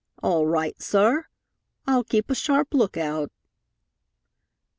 All roight, sorr. I'll keep a sharp lookout."